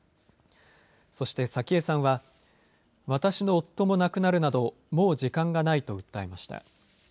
そして早紀江さんは私の夫も亡くなるなどもう時間がないと訴えました。